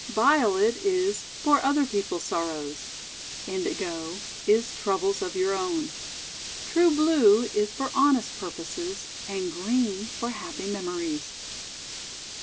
* Violet is For Other People's Sorrows. Indigo is Troubles of Your Own. True Blue is for Honest Purposes, and Green for Happy Memo ries.'